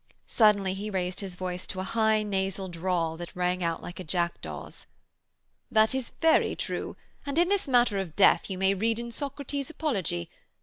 Suddenly he raised his voice to a high nasal drawl that rang out like a jackdaw's: 'That is very true; and, in this matter of Death you may read in Socrates' Apology.